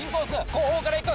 後方からいく。